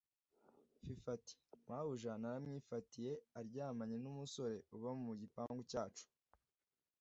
Fifi ati” Mubuja naramwifatiye aryamanye n’umusore uba mu gipangu cyacu